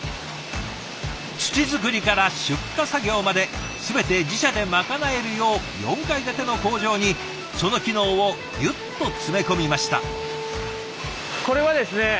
土作りから出荷作業まで全て自社でまかなえるよう４階建ての工場にその機能をギュッと詰め込みました。